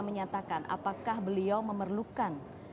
menyatakan apakah beliau memerlukan